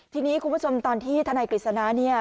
ทีนี้คุณผู้ชมตอนที่ทนายกฤษณะเนี่ย